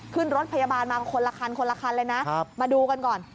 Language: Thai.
ขึ้นรถพยาบาลมาคนละคันคนละคันเลยนะมาดูกันก่อน